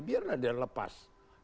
biarlah dia lepas